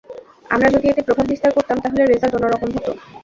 আমরা যদি এতে প্রভাব বিস্তার করতাম, তাহলে রেজাল্ট অন্য রকম হতো।